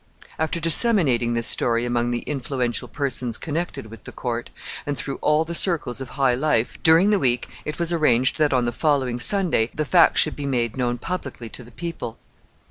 After disseminating this story among the influential persons connected with the court, and through all the circles of high life, during the week, it was arranged that on the following Sunday the facts should be made known publicly to the people.